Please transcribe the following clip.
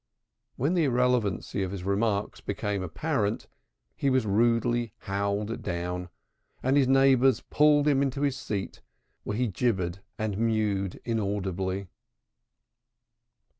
When the irrelevancy of his remarks became apparent, he was rudely howled down and his neighbors pulled him into his seat, where he gibbered and mowed inaudibly.